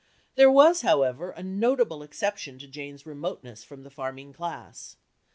There was, however, a notable exception to Jane's remoteness from the farming class.